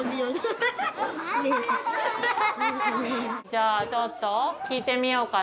じゃあちょっと聞いてみようかな。